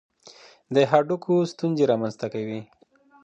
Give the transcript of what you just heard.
دا د هډوکو ستونزې رامنځته کوي.